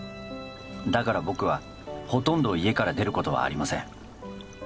だから僕はほとんど家から出る事はありません